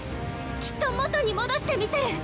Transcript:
きっと元に戻してみせる。